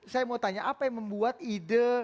saya mau tanya apa yang membuat ide